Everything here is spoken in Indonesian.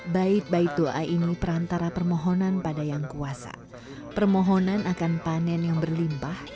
baik baik doa ini perantara permohonan pada yang kuasa permohonan akan panen yang berlimpah